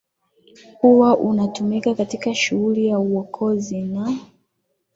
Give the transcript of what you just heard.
huwa unatumika katika shughuli ya uokozi na